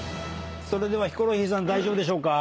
それではヒコロヒーさん大丈夫でしょうか？